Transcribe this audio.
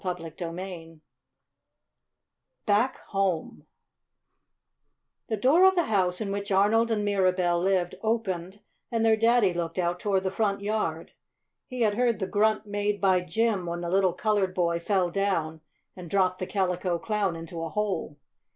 CHAPTER IX BACK HOME The door of the house in which Arnold and Mirabell lived opened, and their daddy looked out toward the front yard. He had heard the grunt made by Jim when the little colored boy fell down and dropped the Calico Clown into a hole.